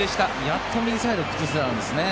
やっと右サイド崩せたんですね。